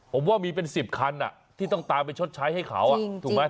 ผมว่ามีเป็น๑๐คันที่ต้องตามไปชดใช้ให้เขาถูกไหม